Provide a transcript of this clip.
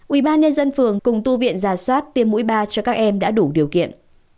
ubnd phường cùng tu viện giả soát tiêm mũi ba cho các em đã đủ điều kiện